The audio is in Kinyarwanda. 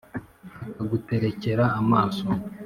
akaguterekera amaso